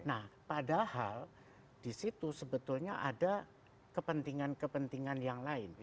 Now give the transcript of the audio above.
nah padahal disitu sebetulnya ada kepentingan kepentingan yang lain